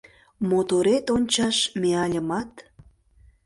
Моторет ончаш мияльымат